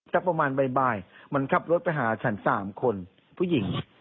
สักประมาณบ่ายมันขับรถไปหาฉัน๓คนผู้หญิง